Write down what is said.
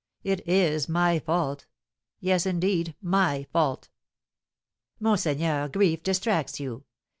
It is my fault, yes, indeed, my fault." "Monseigneur, grief distracts you!